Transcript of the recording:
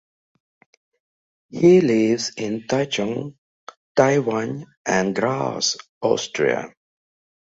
He lives in Taichung, Taiwan and Graz, Austria.